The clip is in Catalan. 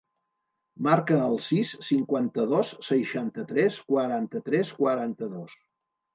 Marca el sis, cinquanta-dos, seixanta-tres, quaranta-tres, quaranta-dos.